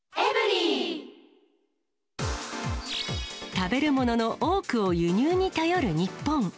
食べるものの多くを輸入に頼る日本。